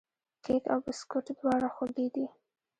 کیک او بسکوټ دواړه خوږې دي.